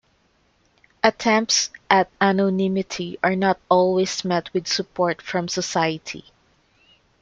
Attempts at anonymity are not always met with support from society.